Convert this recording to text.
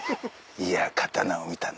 いや刀を見たな。